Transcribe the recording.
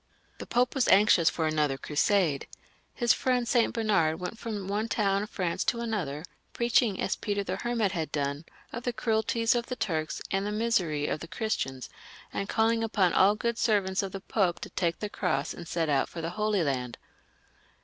The Pope was anxious for another Crusade ; his friend St. Bernard went from one town of France to another, preaching, as Peter the Hermit had done, of the cruelties of the Turks, and the misery of the Christians, and calling upon aU good servants of the Pope to take the cross and set out for the Holy Land.